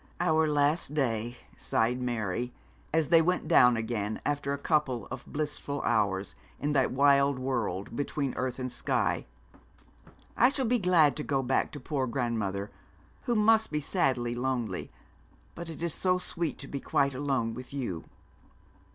'Our last day,' sighed Mary, as they went down again, after a couple of blissful hours in that wild world between earth and sky. 'I shall be glad to go back to poor grandmother, who must be sadly lonely; but it is so sweet to be quite alone with you.'